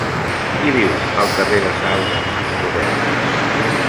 Qui viu al carrer de Saldes número deu?